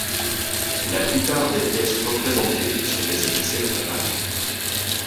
La plupart des pièces représentées sont des succès à Paris.